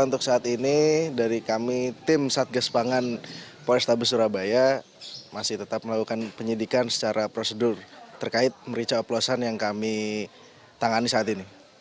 untuk saat ini dari kami tim satgas pangan polrestabes surabaya masih tetap melakukan penyidikan secara prosedur terkait merica oplosan yang kami tangani saat ini